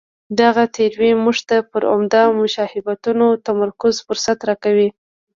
دغه تیوري موږ ته پر عمده مشابهتونو تمرکز فرصت راکوي.